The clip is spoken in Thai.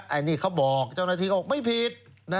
อันนี้เขาบอกเจ้าหน้าที่ก็บอกไม่ผิด